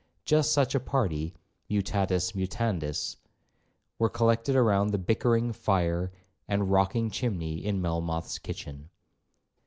Just such a party (mutatis mutandis) were collected round the bickering fire and rocking chimney in Melmoth's kitchen.